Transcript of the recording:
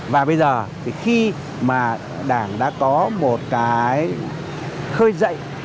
và bây giờ thì khi mà đảng đã có một cái khơi dậy